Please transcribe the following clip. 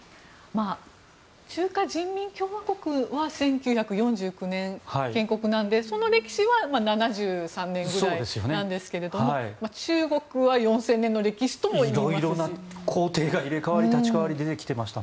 中華人民共和国は１９４９年、建国なのでその歴史は７３年ぐらいなんですが中国は４０００年の歴史とも言われますし。